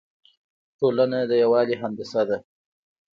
ټولنه د یووالي هندسه ده.